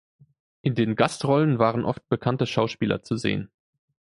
In den Gastrollen waren oft bekannte Schauspieler zu sehen.